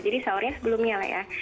jadi sahurnya sebelumnya lah ya